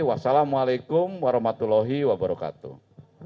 wassalamu'alaikum warahmatullahi wabarakatuh